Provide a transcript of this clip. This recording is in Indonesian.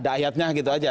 ayatnya gitu aja